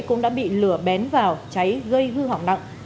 cũng đã bị lửa bén vào cháy gây hư hỏng nặng